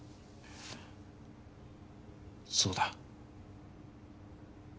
そうだ。